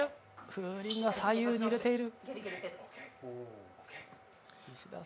風鈴が左右に揺れている。